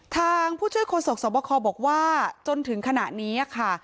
ทางผู้เชื่อคนสกษบคบอกว่าจนถึงขณะนี้ค่ะ